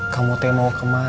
kamu tuh mau kemana